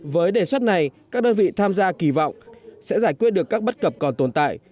với đề xuất này các đơn vị tham gia kỳ vọng sẽ giải quyết được các bất cập còn tồn tại